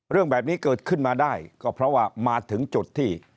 เรื่องแบบนี้เกิดขึ้นมาได้ก็เพราะว่ามาถึงจุดที่